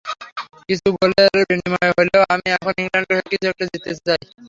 কিছু গোলের বিনিময়ে হলেও এখন আমি ইংল্যান্ডের হয়ে কিছু একটা জিততে চাই।